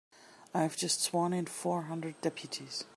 I've just sworn in four hundred deputies.